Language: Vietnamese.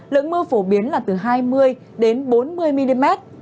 lượng mưa phổ biến là từ hai mươi đến bốn mươi mm